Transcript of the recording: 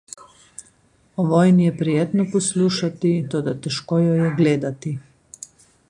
O vojni je prijetno poslušati, toda težko jo je gledati.